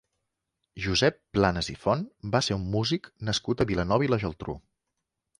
Josep Planas i Font va ser un músic nascut a Vilanova i la Geltrú.